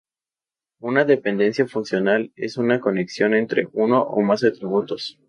Una dependencia funcional es una conexión entre uno o más atributos.